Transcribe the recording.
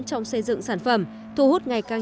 trong xây dựng sản phẩm thu hút ngày càng